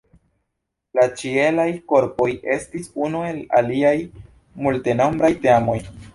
La ĉielaj korpoj estis unu el liaj multenombraj temoj.